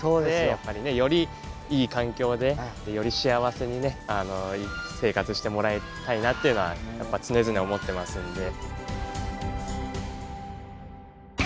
やっぱねよりいい環境でより幸せに生活してもらいたいなっていうのはやっぱ常々思ってますんで。